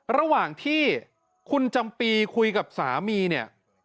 ระหว่างที่คุณจำปีคุยกับสามีเนี่ย